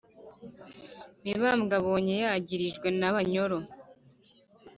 mibambwe abonye yagirijwe n'abanyoro